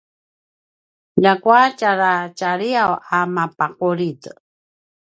ljakua tjara tjaliyav a mapaqulid